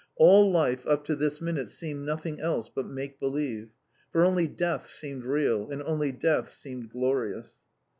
All life up to this minute seemed nothing else but make believe. For only Death seemed real, and only Death seemed glorious.